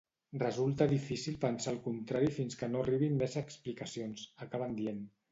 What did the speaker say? “Resulta difícil pensar el contrari fins que no arribin més explicacions”, acaben dient.